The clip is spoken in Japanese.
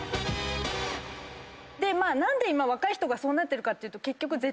何で今若い人がそうなってるかっていうと結局。